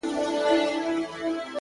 • د باوړۍ اوبه به وچي وي، بیا څه کړې ,